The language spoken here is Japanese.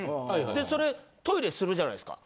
それトイレするじゃないですか。